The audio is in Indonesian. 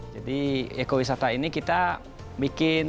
jadi ekowisata ini kita bikin